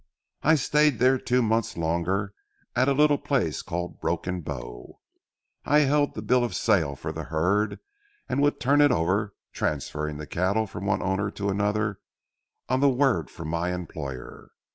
I stayed there two months longer at a little place called Broken Bow. I held the bill of sale for the herd, and would turn it over, transferring the cattle from one owner to another, on the word from my employer.